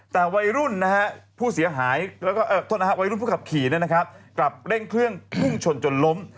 แต่วัยรุ่นผู้ขับขี่กลับเร่งเครื่องพึ่งชนจนล้ม